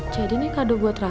jadi ini kado buat rara